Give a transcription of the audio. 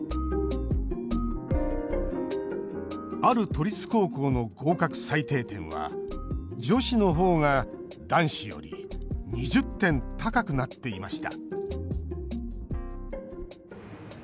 ある都立高校の合格最低点は女子のほうが男子より２０点高くなっていました